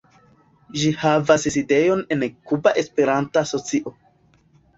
Ĝi havas sidejon en Kuba Esperanto-Asocio.